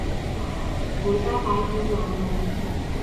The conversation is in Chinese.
福佳白啤酒而闻名。